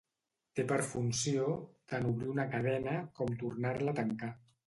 Té per funció tant obrir una cadena com tornar-la a tancar.